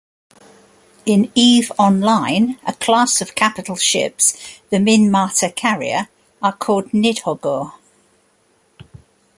In Eve Online, a class of capital ships, the Minmatar carrier, are called Nidhoggur.